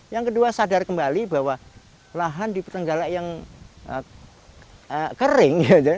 yang kedua sadar kembali bahwa lahan di perenggalek yang kering